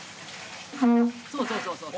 そうそうそうそう。